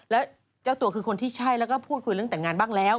แล้วเจ้าตัวคือคนที่ใช่แล้วก็พูดคุยเรื่องแต่งงานบ้างแล้ว